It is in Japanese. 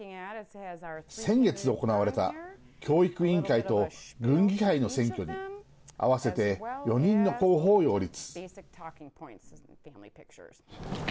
先月、行われた教育委員会と郡議会の選挙に合わせて４人の候補を擁立。